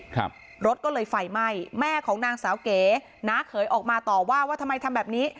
ครับรถก็เลยไฟไหม้แม่ของนางสาวเก๋น้าเขยออกมาต่อว่าว่าทำไมทำแบบนี้